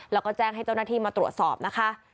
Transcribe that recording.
แล้วก็แจ้งให้เจ้าหน้าที่มาตรวจสอบนะคะ